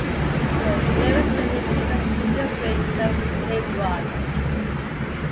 The Lewisville Independent School District serves Hebron.